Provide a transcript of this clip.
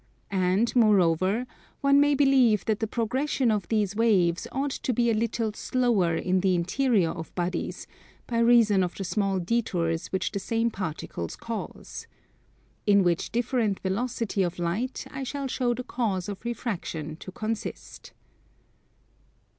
And, moreover, one may believe that the progression of these waves ought to be a little slower in the interior of bodies, by reason of the small detours which the same particles cause. In which different velocity of light I shall show the cause of refraction to consist.